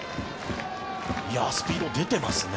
スピード出てますね。